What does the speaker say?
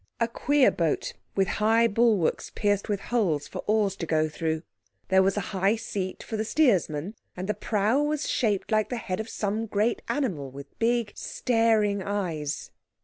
A queer boat, with high bulwarks pierced with holes for oars to go through. There was a high seat for the steersman, and the prow was shaped like the head of some great animal with big, staring eyes.